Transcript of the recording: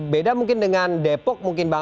beda mungkin dengan depok mungkin bang